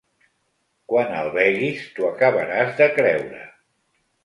Quan el beguis, t’ho acabaràs de creure.